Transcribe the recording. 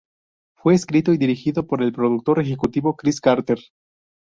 Fue escrito y dirigido por el productor ejecutivo Chris Carter.